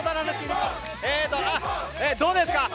どうですか。